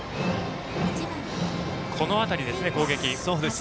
この辺りですね、攻撃。